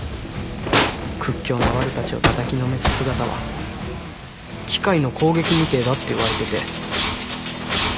屈強なワルたちをたたきのめす姿は機械の攻撃みてえだって言われてて。